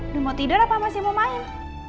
dia mau tidur apa masih mau main